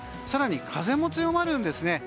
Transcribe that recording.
更に、風も強まるんですね。